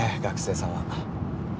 学生さんは。